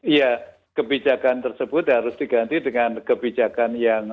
iya kebijakan tersebut harus diganti dengan kebijakan yang